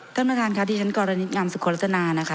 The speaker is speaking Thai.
ท่านประทานครับดิฉันกรณิตงามสุขลักษณะนะคะ